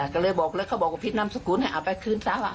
ก็เลยบอกแล้วเขาบอกว่าพี่นามสกุลให้เอาไปคืนซะ